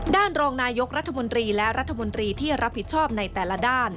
รองนายกรัฐมนตรีและรัฐมนตรีที่รับผิดชอบในแต่ละด้าน